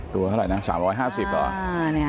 ตัวเท่าไหร่นะ๓๕๐เหรอ